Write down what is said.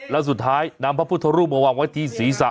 แล้วสุดท้ายนำพระพุทธรูปมาวางไว้ที่ศีรษะ